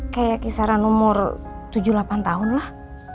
kayak kisaran umur tujuh puluh delapan tahun lah